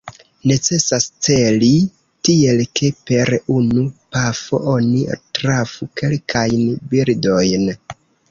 Necesas celi tiel, ke per unu pafo oni trafu kelkajn birdojn.